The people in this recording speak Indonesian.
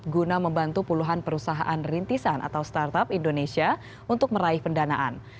guna membantu puluhan perusahaan rintisan atau startup indonesia untuk meraih pendanaan